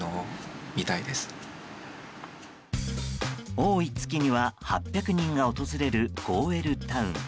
多い月には８００人が訪れるゴーウェルタウン。